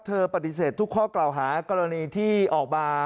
ปฏิเสธทุกข้อกล่าวหากรณีที่ออกมา